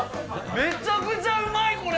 めちゃくちゃうまい、これ。